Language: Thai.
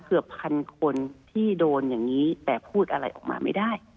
เกือบพันคนที่โดนอย่างนี้แต่พูดอะไรออกมาไม่ได้